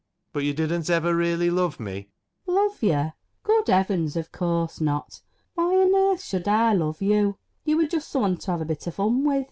But you didn't ever really love me ? FANNY. Love you ? Good heavens, of course not ! Why on earth should I love you ? You were just someone to have a bit of fun with.